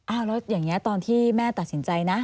แล้วอย่างนี้ตอนที่แม่ตัดสินใจนะ